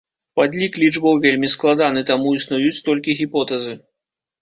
Падлік лічбаў вельмі складаны, таму існуюць толькі гіпотэзы.